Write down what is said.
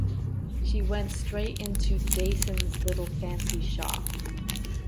She went straight into Dayson's little fancy shop.